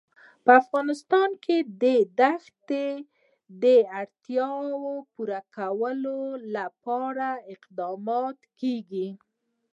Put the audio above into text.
په افغانستان کې د دښتې د اړتیاوو پوره کولو لپاره اقدامات کېږي.